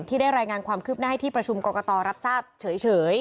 ได้รายงานความคืบหน้าให้ที่ประชุมกรกตรับทราบเฉย